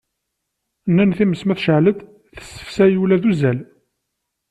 Nnan times ma tecɛel-d, tessefsay ula d uzzal.